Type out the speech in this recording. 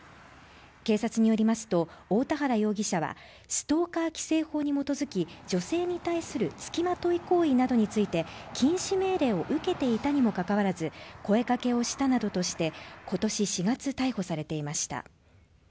警察によりますと大田原容疑者は、ストーカー規制法に基づき、女性に対するつきまとい行為などについて禁止命令を受けていたにもかかわらず声かけをしたなどとして今年４月、逮捕されていました。